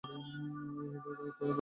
ওহ, এইটার আবার কী হলো?